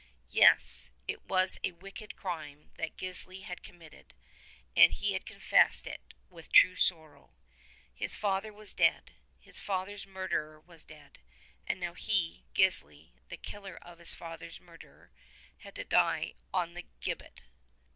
Yes, it was a wicked crime that Gisli had committed, and he had confessed it with true sorrow. His father was dead ; his father's murderer was dead ; and now he, Gisli, the killer of his father's murderer, had to die on the gibbet.